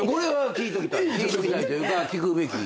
聞いときたいというか聞くべき。